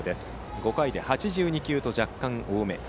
５回で８２球と若干多め。